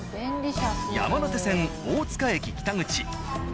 山手線大塚駅北口。